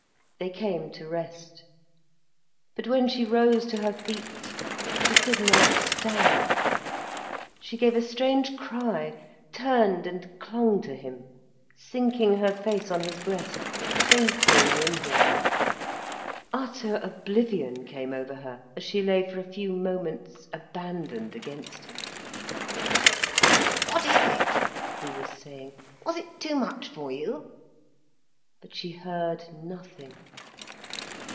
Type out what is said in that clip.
They came to rest. But when she rose to her feet, she could not stand. She gave a strange cry, turned and clung to him, sinking her face on his breast, fainting in him. Utter oblivion came over her, as she lay for a few moments abandoned against him. "What is it?" he was saying. "Was it too much for you?" But she heard nothing.